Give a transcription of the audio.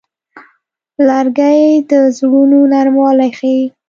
لرګی د زړونو نرموالی ښيي.